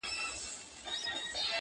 که به ډنډ ته د سېلۍ په زور رسېږم٫